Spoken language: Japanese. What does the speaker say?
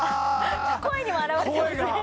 声にも表れてますね